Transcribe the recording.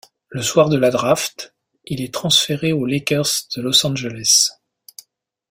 Le soir de la draft, il est transféré aux Lakers de Los Angeles.